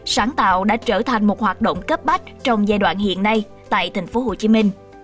sáng tạo đã trở thành một hoạt động cấp bách trong giai đoạn hiện nay tại thành phố hồ chí minh